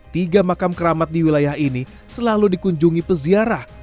tiga makam keramat di wilayah ini selalu dikunjungi peziarah